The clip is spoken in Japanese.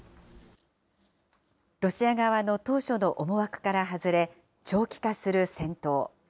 ロシア側の当初の思惑から外れ、長期化する戦闘。